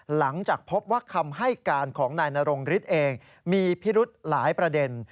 หลังจากพบว่าคำให้การของนายนรงฤทธิ์เองมีพิรุธหลายประเด็น